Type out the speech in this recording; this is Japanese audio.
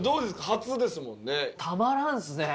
初ですもんね。